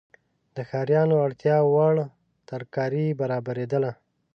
د ښاریانو اړتیاوړ ترکاري برابریدله.